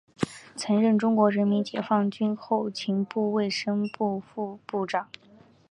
曾任中国人民解放军总后勤部卫生部副部长。